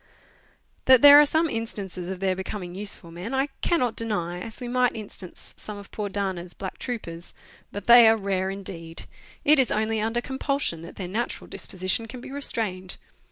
That there are some instances of their becoming useful men I cannot deny, as we might instance some of poor Dana's black Letters from Victorian Pioneers. 243 troopers, but they are rare indeed ; it is only under compul sion that their natural disposition can be restrained.